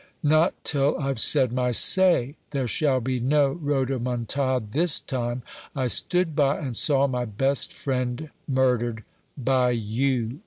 "Not till I've said my say. There shall be no rhodomontade this time. I stood by and saw my best friend murdered by you.